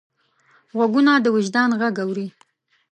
غوږونه د وجدان غږ اوري